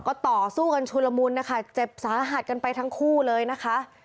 ก็ต่อสู้กันชุลมุนนะคะเจ็บสาหัสกันไปทั้งคู่เลยนะคะ